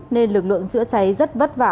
nên lực lượng chữa cháy rất vất vả